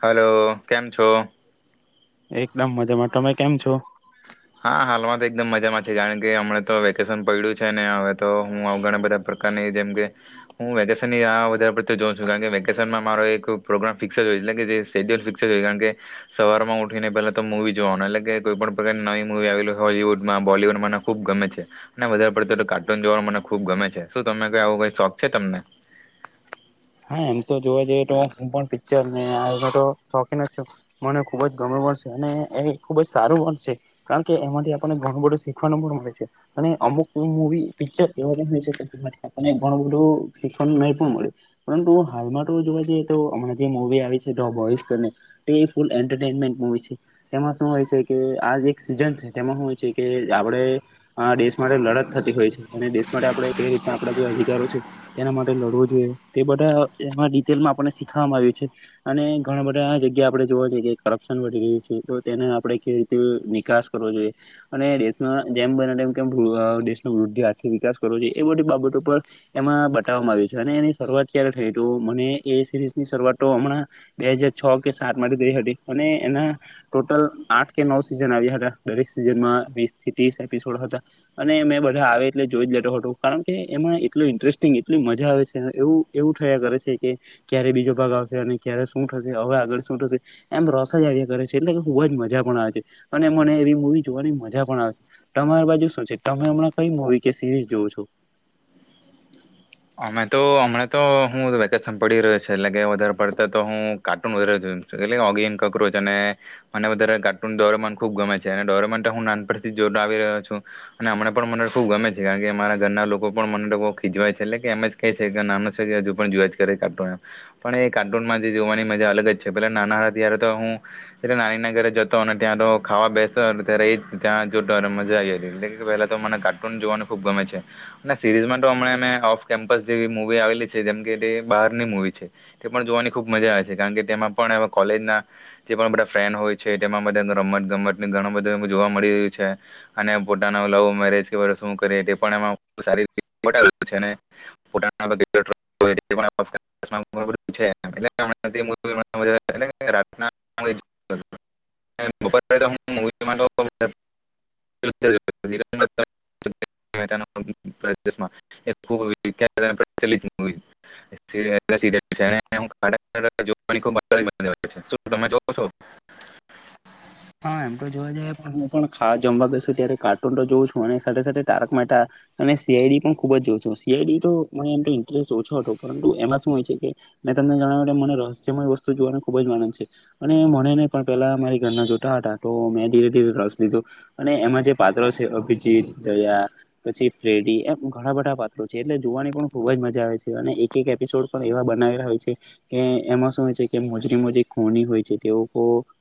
Hello. કેમ છો? એકદમ મજામાં તમે કેમ છો? હા હાલમાં તો એકદમ મજામાં છે કારણ કે હમણા તો વેકેશન પડ્યું છે ને હવે તો હું આ ઘણા બધા પ્રકારની જેમકે હું વેકેશનની રાહ વધાર પડતી જોઉ છું કારણ વેકેશનમાં મારો એક પ્રોગ્રામ ફિક્સ જ હોય એટલે કે શેડ્યુલ ફિક્સ જય કારણ કે સવાર માં ઉઠીને પેલા તો મુવી જોવાનું એટલે કે કોઈ પણ પ્રકારની નવી હોવુડમાં બોલીવુડમાંને ખુબ ગમે છે અને વધારે પડત કાર્ટૂન જોવા મને ખુબ ગમે છે શું ત આવું કઈ શોખ છે તમને. હા એમ તો જોવા જઈએ તો હું પણ પિક્ચરને તો શોખીન જ છું મને ખુબ જ ગમે પશે અને એ ખુબ જ સારું મળશે કારણ કે એમાંથી આપણને ઘણું બધું શીખવાનું પણ મળે છે અને અમુક મુવી પિક્ચર એ હોય છે જેથીનેણું બધું શીખવાનું નહી પણ મળ્યું પરંતુ હાલમાં તો જોવા જઈએ તો હમણાં જે મવી આવી છે ડો બોસને તે ફૂલ એન્ટરટેનમેન્ટ મુવી છે તેમાં શું હોય છે કે આ એક સીઝન છે તેમાં શું હોય છે કે આપણે દેશ માટે લડત થતી હોય છે અને દેશ માટે આપણે કઈ રીતના આપણા જે અધિકારો છે તેના માટે લડવો જોઈએ. તે બધા એમાં ડિટેલમાં આપણને શીખવામાં આવ્યું છે અને ઘણા બધા જગ્યા આપણે જોવા જઈએ કરપ્શન વધી રહ્યું છે તો તેને આપણે કેવી રીતે વિકાસ કરવો જોઈએ અને દેશમાં જેમ બનેમ કેમ દેશનો વૃદ્ધિ આર્થિક વિકાસ કરવો જોઈએ એ બધી બાબતો પર એમાં બતાવવામાં આવ્યું છે અને એની ત્યારે થ મને એ સરીઝ ની શરૂઆત તો હમણાં બે હજાર છ કે સાત માટે થઈ હતી અને એના ટોટલ આઠ કે નવ સિઝન આવ્યા હતા દરેક સીઝનમાં વસ થી ત્રીસ એપસોડ હતા અને મે બધા આવે એટલે જોઈ જ લેતો હતો કારણ કે એમાં એટલું ઇન્ટરેસ્ટિંગ એટલી મજા આવે છે. એવું એવું થયા કરે છે કે ક્યારે બીજો ભાગ આવશે અને ક્યારે શું થશે હવે આગળ શું થશે એમ રસા જાળ્યા કરે છે એટલે કે ખુબ જ મજા પણ આવે છે અને મને એવી મૂવી જોવાની મજા પણ આવે છે તમારી બાજુ શું છે તમે હમણાં કઈ મુવી કે સિરીઝ જોવ છો. અમે તો હમણા તો હું વેકેશન પડી રહ્યો છે એટલે કે વધારે પડતા તો હું કાર્ટૂન વધારે જો છું એટ ઓગીન કોક્રોચ અને મને વધારે કાર્ટૂન દોર ખુબ ગમે છે અને દોરો તો હું નાન પરથી જો આવી રહ્યો છું અને હમ પણ મને ખુબ ગમે છે કારણ કેમારા ઘરના લોકો પણ મને તો ખીજવાય છે. એટલે એમ જ નાનું છે કે હજુ પણ જોય જ કરે કાર્ટૂન પણ એ કાર્ટૂનમાં જોવાની મજા અલગ જ છે પેલા નાના હતા ત્યારે તો હું નાનીના ઘરે જતો અને ત્યાં તો ખાવા બેસતો ત્યારે એ જ ત્યાં જોતો મજા આવી હતી એટલે પહેલા તો મને કાર્ટૂન જોવાનું ખૂબ ગમે છે અને સિરીઝમાં તોમ કેમ્પસ જેવી મુવી આવેલી છે જેમ કે તે બહારની મુવી છે તે પણ જોવાની ખુબ મજા આવે છે કારણ કે તેમાં પણ કોલેજના જે પણ બધા ફ્રેન હોય છે તેમાંધ રમત ગમત ઘણું બધું જોવા મળી રહ્યું છે અને પોતાનો લવ મેરેજ કે શું કરી તે પણ એમાં સારી [unintelligible] [unintelligible] તમે જોવ છો. હા એમ તો જોવા જ પણ હું પણ ખાસ જમવા ગસું ત્યારે કાર્ટૂન તો જોઉં છું અને સાથે સાથે તારક મેતા અને સીઆઈડી પણ ખુબ જ જોઉં છું સીઆઈડી તો મને એમ તો ઇન્ટરેસ્ટ ઓછો હતો પરંતુ એમાં શું હોય છે કે મેં તમને જણાવ્યું મને રહસ્યમય વસ્તુ જોવાનું ખુબ જ માનંદ છે અને મને નહી પણ પેલા મારી ઘરના જો મેં ધીરે ધીરે રસ લીધો અને એમાં જે પાત્રો છે અભિજીત દયા પછી પ્રેડી એમ ઘણા બધા પાત્રો છે એટલે જોવાની પણ ખુબ જ મજા આવે છે અને એક એક એપિસોડ પણ એવા બનાવેલા હોય છે કે એમાં શું હોય છે કે મોજરી મોજરી ખોની હોય છે તે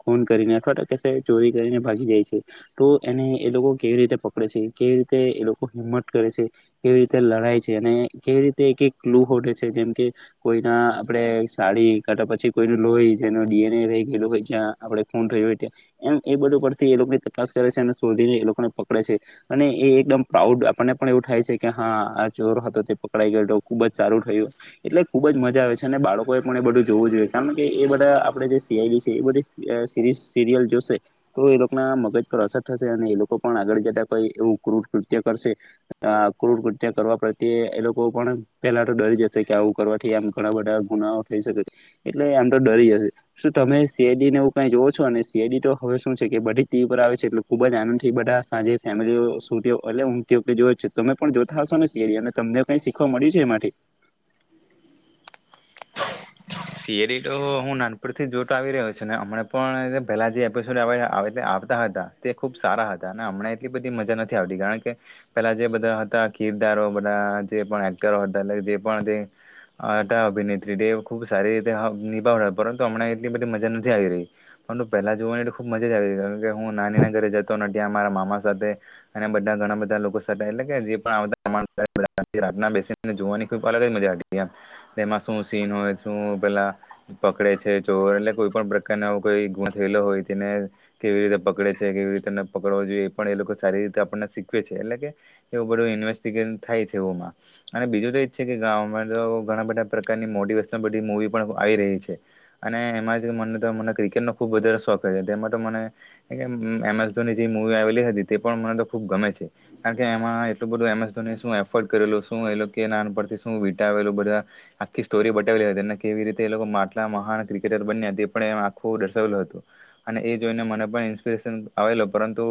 ખૂન કરીને અથવા ચોરી કરીને ભાગી જાય છે તો એને એ લોકો કેવી રીતે પકડે છે કેવી રીતે એ લોકો હિંમત કરે છે કેવી રીતે લડાય છે અને કેવી રીતે એક કલૂ હોટેે છે જેમ કે કોઈના આપડે સાડી કાઢા પછી કોઈનું લોહી જે ડીએનએ રહી ગયું હો જ્યાં આપણે ખૂન થ હોય ત્યાં. એમ એ બધું પરથી એ લોકોની તપાસ કરે છે અને શોધીને એ લોકોને પકડે છે અને એ એકદમ પ્રાઉડ આપણને પણ એવું થાય છે કે હા આ ચોર હતો તે પકડાઈ ગયો હતો ખુબ જ સારું થયું એટલે ખુબ જ મજા આવે છે અને બાળકો એ પણ એ બધું જોવું જોઈએ કારણ કે એ બધા આપે જે સીઆઈ છે એ બધ સરીઝ સિરિયલ જોશે તો એ લોકોના મગજ પર અસર થશે અને એ લોકો પણ આગળ જતા કોઈ એવું ક્રૂર કૃત્ય કરશે ક્રૂર કૃત્ય કરવા પ્રત્યે એ લોકો પણ પેલા તો ડરી જશે કે આવું કરવાથી આમ ઘણા બધા ગુનાઓ થઈ શકે એટલે આમ તો ડરી જશે શું તમે સીઆઈડી ને એવું કઈ જોવો છો અને શડી તો હવે શું છે કે બધી ટીવી પર આવે છે એટલે ખુબ જ આનંદ થી બધા સાંજે ફેમિલી શ એટલે ઊમ તમે પણ જોતા હશો ને શડી અને તમને કઈ શીખવા મળ્યું છે એ માટે સિરી તો હું નાનપુર થી જોતો આવી રહ્યો છું ને હમણા પણ પેલા જે એપિસોડ આવતા હતા તે ખુબ સારા હતા અને હમણાં એટલી બધી મજા નથી આવતી કારણ કે પેલા જે બધા હતા કીરદારો બધા જે એક્ટરો હતા એ જે હતા અભિનેત્રી ખબ સારી રીતે નિભાવ પરંતુ હમણા એટલી બધી મજા નથી આવી રહી પરંતુ પહેલા જોવાની એટ ખુબ મજા જ આવી રહી કે હું નાની ના ઘરે જતો ત્યાં મારા મામા સાથે અને બધા ઘણા બધા લોકો સાથે એટલે કે જે પણ બેસી જોવાની ખ અલગ જ મજા આવી એમાં શું સીન હોય. શું પેલા પકડે છે ચોર એટલે કોઈ પણ પ્રકારના આવો કોઈ ગુ થયેલો હોય તેને કેવી રીતે પકડે છે કેવી રીતે પકડો જોઈએ એ પણ એ લોકો સારી રીતે આપણને શીખવે છે એટલે કે એવું બધું ઇન્વેસ્ટિગેશ થાય છે એવમાં અને બીજું તો એજ છે કે ગામમાં તો ઘણા બધા પ્રકારની મોડી વસ્તુ મુવી પણ આવી રહી છે અને એમાં જ મને મ ક્રિકેટનો ખુબ વધારે શોખ તેમાં તો મને એમસ ધોની જે મુવી આવેલી હતી તે પણ મને તો ખુબ ગમે છે કારણ કે એમાં એટલું બધું એમ એસ ધોની શું એફોર્ટ કરેલું શુંું કે નાન પરથી શું વિટાવેલું બધા આખી સોરી રીતે લોકોટલા મહાન ક્રિકેટર બન્યા તે પણ એમ આખું દર્શાવલું હતું અને એ જોઈને મને પણ ઇન્સ્પિરેશન આવેલ પરંતુ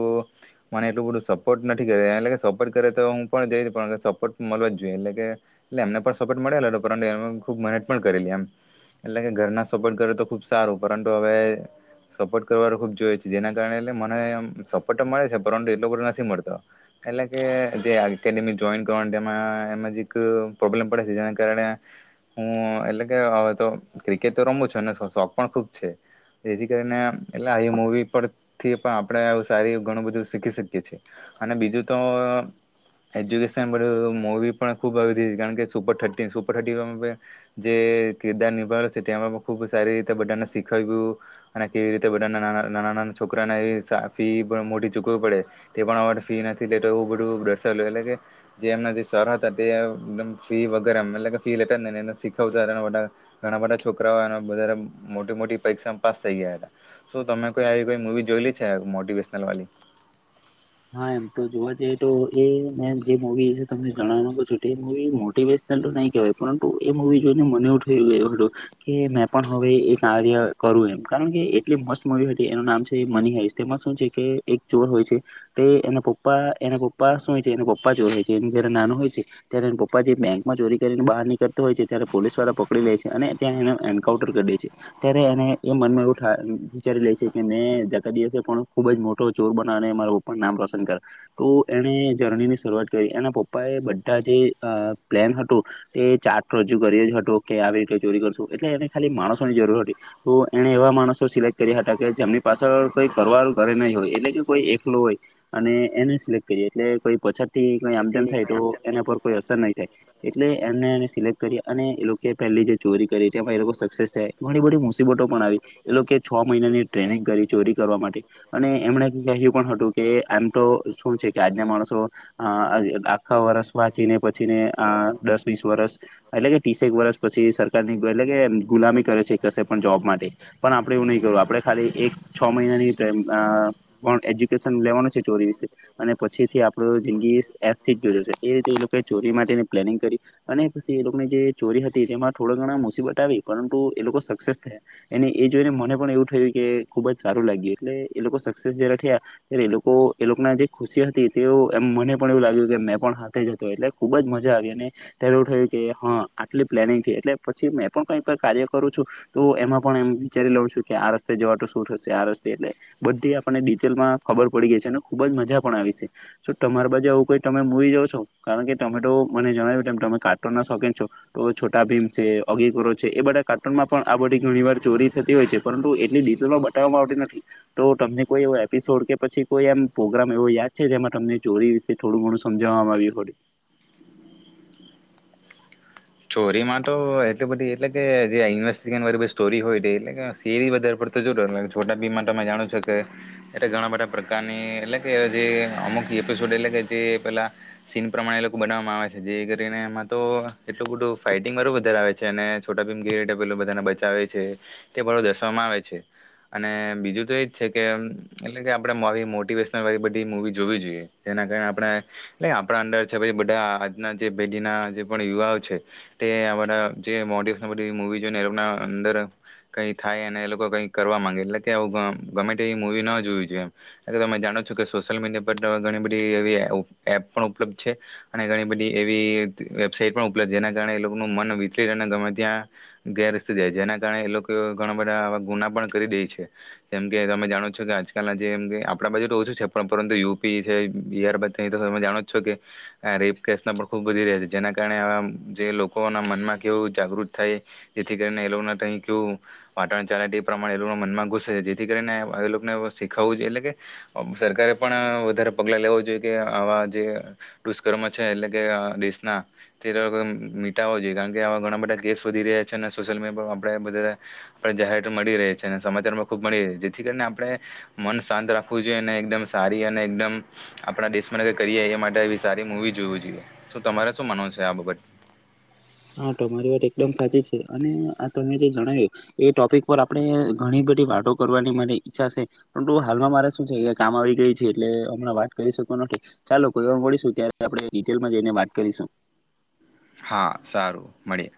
મને એટલું બધું સપોર્ટ નથી કરે એટલે સપોર્ટ કરે તો હું પણ જઈ પણ સપોર્ટ મળ જ જોઈએ એટલે કે એટલે એમને પણ સપોર્ટ મળેલો હતો પરંતુ એ ખબ મને કરેલી એમ એટલે કે ઘરના સપોર્ટ કરે તો ખુબ સારું પરંતુ હવે સપોર્ટ કરવાનું ખુબ જોઈએ છે જેના કારણે એટલે મને સપોર્ટ તો મળે છે પરંતુ એટલો બધો નથી મળતો એટલે કે જે એકેડેમી જોઈન કરવા તેમાં એમાં જ એક પ્રોબ્લેમ પડે છે જેના કારણે હું એટલે કે હવે તો ક્રિકેટ તો રમું છે અને શોખ પણ ખુબ છે એથી કરીને એટલે આ મવી પરથી પણ આપણે સારી ઘણું બધું શીખી શકીએ છી અને બીજું તો એજ્યુકેશનધું મવી પણ ખૂબ આવી કારણ કે સુપર થર્ટી સુપર થર્ટી જે કિરદાર નિભાવેલો છે તેમાં પણ ખૂબ સારી રીતે બધાને શીખવ્યું અને કેવી રીતે બાના નાના નાના છોકરાને એ ફી પણ મોટી ચૂકવી પડે તે પણ ફી નથી લેતો એવું બધું દર્શાવેલું એટલે કે જે એમના જે સર હતા તેમ ફી વગર એમ એટલે ફી લેતા જ બધા ઘણા બધા છોકરાઓ મોટી મોટી પરીક્ષા પાસ થઈ ગયા હતા તો તમે કો આવી કોઈ મુવી જોયલી છે મોટિવેશનલ વાલી હા એમ તો જોવા જઈએ તો એ મે જે મવી તને જણાવી ના છું મવી મોટિવેશનલ તો નહી કહેવાય પરંતુ એ મુવી જોઈને મને એવું થઈ ગયું હતું કે મેં પણ હવે એ કાર્ય કરું એમ કારણ કે એટલી મસ્ત મુવી હતી એનું નામ છે મની હાઈસ તેમાં શું છે કે એક જોર હોય છે. તે એના પપ્પા એના પપ્પા શું હોય છે એના પપ્પા ચોર હો છે એને જ્યારે નાનો હોય છે ત્યારે એ પપ્પા જે બેંકમાં ચોરી કરીને બહાર નીકળતો હોય છે ત્યારે પોલીસ વાળા પકડી લે છે અને ત્યાં એને એન્કાઉન્ટર કરી દે છે ત્યારે એને એ મનમાં એવું વિચારી લે છે કે મેં જકા દિવસે પણ ખૂબ જ મોટો ચોર બનાવને મારા પપ્પા પણ નામ રોશન કર તો એણે જર્નીની શરૂઆત કરી એના પપ્પા એ બધા જે પ્લેન હતું એ ચાર્ટ રજૂ કર જ હતો કે આવી રીતે ચોરી કરશું એટલે એને ખાલી માણસોની જરૂર હતી તો એણે એવા માણસો સિલેક્ટ કર્યા હતા કે જેમની પાછળ કંઈ ઘરવાર ઘરે નહીં હોય એટલે કે કોઈ એ ફ્લો હોય અને એને સિલેક્ટ કરીએ એટલે કોઈ પછાત થી કઈ આમ તેમમ થાય તો એના પર કોઈ અસર નહી થાય. એટલે એમને એ સિલેક્ટ કરી અને એ લોકો પહેલી જે ચોરી કરી તે એ લોકો સક્સેસ થયા ઘણી બધી મુસીબતો પણ આવી એ લોકો છ મહિનાની ટ્રેનિંગ કરી ચોરી કરવા માટે અને એમણે કહ્યું પણ હતું. કે આમ તો શું છે કે આજના માણસો આખા વર્ષ વાંચીને પછીને દસ વીસ વરષ એટલે કે તીસેક વર્ષ પછી સરકારની એટલે કે ગુલામી કરે છે કશે પણ જોબ માટે પણ આપડે એવું નહી કરું આપે ખાલી એક છ મહિનાની એજ ચોરી વિશે અને પછી થી આપ જિંદગી એસ્થી જોશે એ રીતે એ લોકો ચોરી માટેની પ્લેનિંગ કરી અને પછી એ લોકોની જે ચોરી હતી એમાં થોડા ઘણા મુસીબત આવી પરંતુ એ લોકો સક્સેસ થયા એ એ જોઈને મને પણ એવું થયું કે ખુબ જ સારું લાગ્યું એટલે એ લોકો સક્સેસ જય્યારે થયા એ લોકો એ લોકોના જે ખુશી હતી તે એમ મને પણ એવું લાગ્યું કે મેં પણ હાથે જતો એટલે ખૂબ જ મજા આવી અને ત્યારે એવું થયું કે હા આટલી પ્લેનિંગ છે એટલે પછી મેં પણ કઈ કઈ કાર્ય કરું છું તો એમાં પણ એમ વિચારી લઉં છું કે આ રસ્તે જવા તો શું થશે આ રસ્તે એટલે બધી આપને ડિટેલમાં ખબર પડી ગઈ છે અને ખુબ જ મજા પણ આવી છે તો તમારા બાજે આવું કોઈ તમે મૂવી જા છો કારણ કે તમે તો મને જણાવ્યું કે તમે કાર્ટૂન ના શોખન છો તો છોટા ભીમ છે ઓગીિકો છે એ બધા કાર્ટૂનમાં પણ આ બધી ઘણી વાર ચોરી થતી હોય છે પરંતુ એટલી ડિટેલમાં બતાવવામાં આવતી નથી તો તમને કોઈ એવ એપિસોડ કે પછી કોઈ એમ પ્રગ્રામ એવો યાદ છે જેમાં તમને ચોરી વિશે થોડું ઘણું સમજાવવામાં આવ્યું હોડ સોરીમાં તો એટલી બધી એટલે કે જે ઇન્વેસ્ટગ વાળી સ્ટોરી હોય એટલે કે સેરી વધારે પડતો જોય છોટા બીમાં તમે જાણો છો કે એટલે ઘણા બધા પ્રકારની એટલે કે જે અમુક એપિસોડ એટલે કે જે પેલા સીન પ્રમાણે એ લોકો બનાવવામાં આવે છે જે કરીને એમાં તો એટલું બધું ફાઈટિંગ વાળું વધારે આવે છે અને છોટા ફીમ કટર પેલું બધાને બચાવે છે તે બરું દર્શવામાં આવે છે અને બીજું તો એજ છે કે એટલે કે આપણે આવી મોટિવેશનલ વાળ બધી મૂવી જોવી જોઈએ જેના કારણે આપણે એટ આપણા અંદર છે પછી બધા આજના જે પેઢીના જે પણ યુવા અર ક [unintelligible] અંદર કઈ થાય અને એ લોકો કંઈ કરવા માંગે એટલે કે ગમે એ મુવી ન જોવી જોઈએ એમ, તમે જાણો છો કે સોશિયલ મીડિયા પર તો ગણિ બધી એવી એપ પણ ઉપલબ્ધ છે અનેગણી બધી એવી વેબસાઈટ પણ જેના કારણે એ લોકોનું મન વિથળ અને ગમે ત્યાં ગેરસ્તે જાય જેના કારણે એ લોકો ઘણા બધા આવા ગુના પણ કરી દે છે જેમ કે તમે જાણો છો કે, આજકાલના જેમ કે આપણા બાજુ તો ઓછું છે, પણ પરંતુ યુપી છે, બિહાર બા અ તો તમે જાણો છો કે આ રેપ કેસના પણ ખૂબ વધી રહે છે, જેના કારણે જે લોકોના મનમાં કેવું જાગૃત થાય, જેથી કરીને એ લોકો ક કેવું વાતાવરણ ચાલે તે પ્રમાણે એ લોકો મનમાં ઘુસે છે જેથી કરીને એ લોકોને શીખવવું જોઈએ એટલે કે સરકારે પણ વધારે પગલા લેવા જોઈએ કે આવા જે દુષ્કર્મ છે એટલે કે આ દેશના [unintelligible] મીટાવા જોઈએ કારણ કે આવા ઘણા બધા કેસ વધી રહ્યા છે, અને સોશિયલ મીડિયા પર આપણે બધા આપ જાહેરત મળી રે છે અને સમાચારમાં ખુબ મળી રહે છે જેથી કરીને આપણે મન શાંત રાખવું જોઈએ અને એકદમ સારી અને એકદમ આપણા દેશનેઈ કરીએ એ માટે સારી મુૂવી જોવી જોઈએ તો તમારે શું માનોવનું છે [unintelligible] આબગ હા, તમારી વાત એકદમ સાચી છે અને આ તમે જે જણાવ્યું એ ટોપિક પર આપણે ઘણી બધી વાતો કરવાની મારી ઈચ્છા છે, પરંતુ હાલમાં મારા શું છે કે કામ આવી ગયું છે એટલે હમણાં વાત કરી શકુ નથી ચાલો કોઈ વાર મળીશું ત્યારે આપણે ડિટેલમાં જઈને વાત કરીશું હા, સારું મળીએ